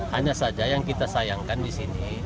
hanya saja yang kita sayangkan di sini